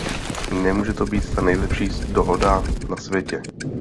Nemůže to být ta nejlepší dohoda na světě.